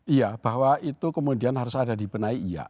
iya bahwa itu kemudian harus ada dibenahi iya